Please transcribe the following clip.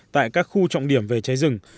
tại các khu trọng điểm về cháy rừng